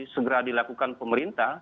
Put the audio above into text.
segera dilakukan pemerintah